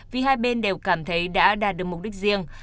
vì hai bên đều cảm thấy đã đạt được mục đích riêng